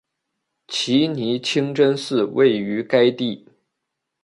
奇尼清真寺位于该地。